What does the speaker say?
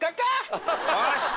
よし！